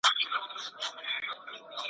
شمع چي لمبه نه سي رڼا نه وي ,